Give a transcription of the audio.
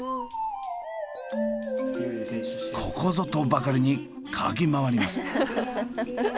ここぞとばかりに嗅ぎ回ります。